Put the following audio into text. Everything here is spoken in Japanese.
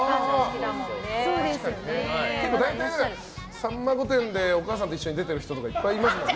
「さんま御殿！！」でお母さんと一緒に出てる人とかいっぱいいますもんね。